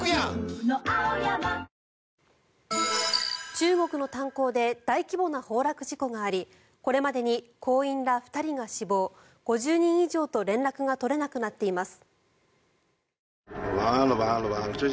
中国の炭鉱で大規模な崩落事故がありこれまでに鉱員ら２人が死亡５０人以上と連絡が取れなくなっています。